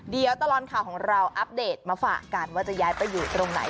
เดี๋ยวตลอดข่าวของเราอัปเดตมาฝากกันว่าจะย้ายไปอยู่ตรงไหน